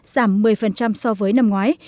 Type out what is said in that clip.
giảm một mươi so với năm ngoái